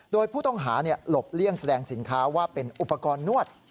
โดยผู้ต้องหาหลบเลี่ยงแสดงสินค้าว่าเป็นอุปกรณ์นวด